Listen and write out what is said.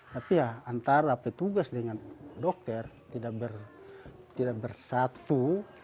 tapi ya antara petugas dengan dokter tidak bersatu